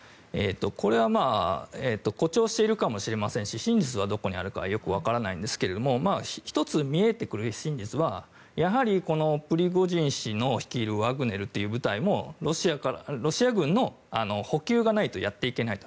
これは誇張しているかもしれませんし真実はどこにあるかはよく分からないんですけども１つ見えてくる真実はやはりプリゴジン氏の率いるワグネルという部隊もロシア軍の補給がないとやっていけないと。